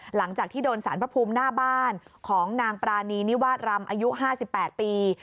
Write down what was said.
หลังจากที่โดนสารพระภูมิหน้าบ้านของนางปรานีนิวาสรำอายุ๕๘ปี